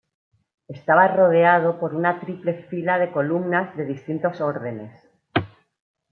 Estaba rodeado por una triple fila de columnas de distintos órdenes.